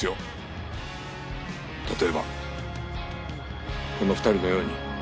例えばこの２人のように。